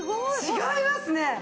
違いますね！